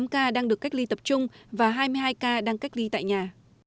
một mươi ca đang được cách ly tập trung và hai mươi hai ca đang cách ly tại nhà